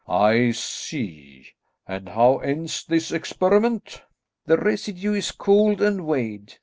"I see; and how ends this experiment?" "The residue is cooled and weighed.